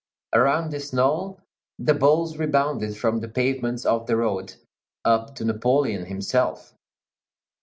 Around this knoll the balls rebounded from the pavements of the road, up to Napoleon himself.